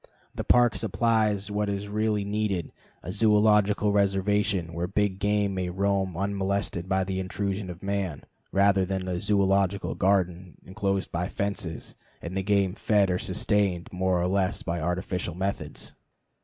The Park supplies what is really needed a zoölogical reservation where big game may roam unmolested by the intrusion of man, rather than a zoölogical garden inclosed by fences, and the game fed or sustained more or less by artificial methods.